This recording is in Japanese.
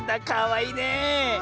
かわいい。